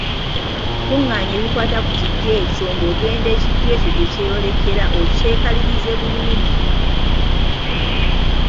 Kuŋŋaanya ebikwata ku kijjo ekyo ng’ogenda ekijjo ekyo gye kyeyolekera okyekalirize bulungi.